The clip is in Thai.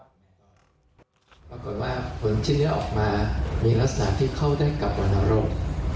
ปรากฏว่าผลที่เลื้อออกมามีลักษณะที่เขาได้กับวรรณโรค